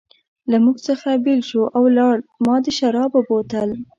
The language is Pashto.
له موږ څخه بېل شو او ولاړ، ما د شرابو بوتل.